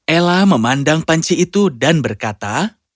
ella memandang panci itu dan berkata